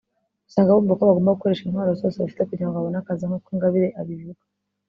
usanga bumva ko bagomba gukoresha intwaro zose bafite kugira ngo babone akazi nk’uko Ingabire abivuga